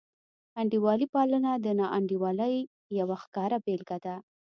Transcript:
انډیوالي پالنه د ناانډولۍ یوه ښکاره بېلګه ده.